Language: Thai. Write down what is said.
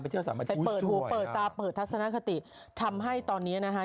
สามเหล็กตรองเปิดหูเปิดตาเปิดทัศนคติทำให้ตอนนี้นะคะ